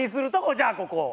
じゃあここ。